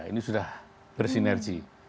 ini sudah bersinerji